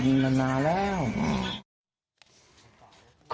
คุณผู้ชมค่ะมาฟังตรงนี้ดีค่ะ